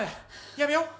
やめよう。